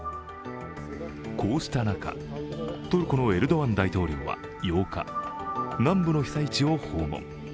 こうした中、トルコのエルドアン大統領は８日、南部の被災地を訪問。